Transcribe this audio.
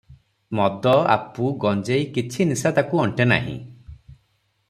ମଦ, ଆପୁ, ଗଞ୍ଜେଇ କିଛି ନିଶା ତାକୁ ଅଣ୍ଟେ ନାହିଁ ।